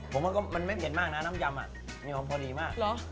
ผมว่ามันไม่เผ็ดมากนะน้ำยำมีความพอดีมาก